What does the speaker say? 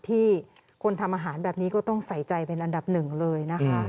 ที่คนทำอาหารแบบนี้ก็ต้องใส่ใจเป็นอันดับหนึ่งเลยนะคะ